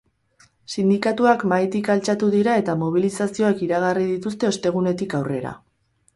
Sindikatuak mahaitik altxatu dira eta mobilizazioak iragarri dituzte ostegunetik aurrera.